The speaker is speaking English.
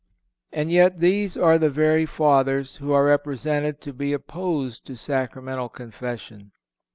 And yet these are the very Fathers who are represented to be opposed to Sacramental Confession!